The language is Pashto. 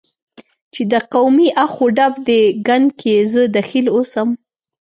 چې د قومي اخ و ډب دې ګند کې زه دخیل اوسم،